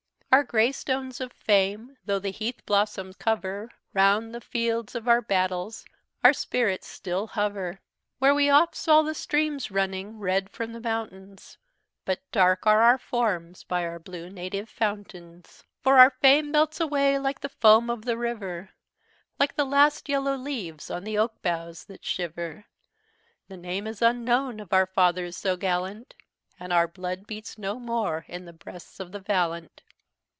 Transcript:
"Our gray stones of fame though the heath blossom cover, Round the fields of our battles our spirits still hover; Where we oft saw the streams running red from the mountains; But dark are our forms by our blue native fountains. "For our fame melts away like the foam of the river, Like the last yellow leaves on the oak boughs that shiver: The name is unknown of our fathers so gallant; And our blood beats no more in the breasts of the valiant.